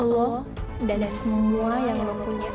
lo dan semua yang lo punya